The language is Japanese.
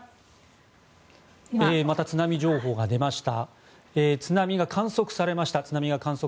また津波情報が出ました。